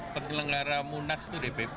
penggelenggara munas itu dpp